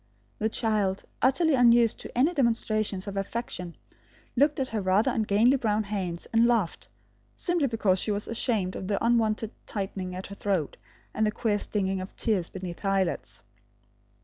The child, utterly unused to any demonstrations of affection, looked at her rather ungainly brown hands and laughed, simply because she was ashamed of the unwonted tightening at her throat and the queer stinging of tears beneath her eyelids.